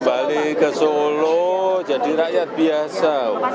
kembali ke solo jadi rakyat biasa